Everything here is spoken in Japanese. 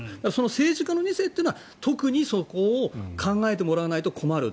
政治家の２世というのは特にそこを考えてもらわないと困る。